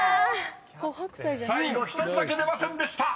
［最後１つだけ出ませんでした］